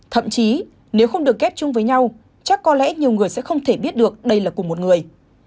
thậm chí nếu không được ghép chung với nhau chắc có lẽ nhiều người sẽ không thể biết được đây là của một người